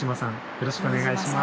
よろしくお願いします。